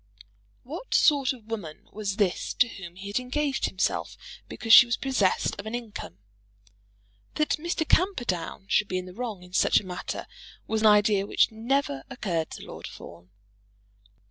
What sort of woman was this to whom he had engaged himself because she was possessed of an income? That Mr. Camperdown should be in the wrong in such a matter was an idea which never occurred to Lord Fawn.